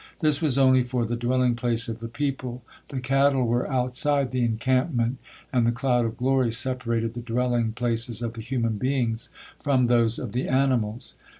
This was only for the dwelling place of the people, the cattle were outside the encampment, and the cloud of glory separated the dwelling places of the human beings from those of the animals.